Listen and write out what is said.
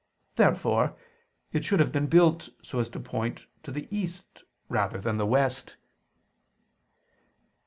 Therefore it should have been built so as to point to the east rather than the west.